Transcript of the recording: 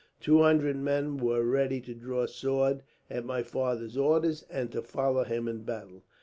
Two hundred men were ready to draw sword, at my father's orders, and to follow him in battle.